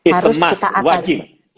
harus kita akal